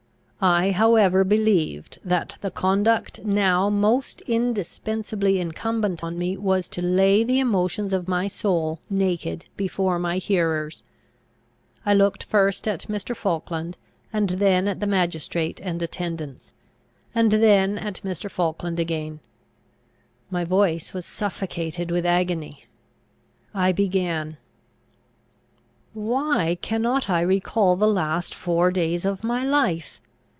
I however believed, that the conduct now most indispensably incumbent on me was to lay the emotions of my soul naked before my hearers. I looked first at Mr. Falkland, and then at the magistrate and attendants, and then at Mr. Falkland again. My voice was suffocated with agony. I began: "Why cannot I recall the last four days of my life?